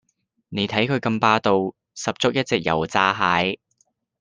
你睇佢咁霸道，十足一隻油炸蟹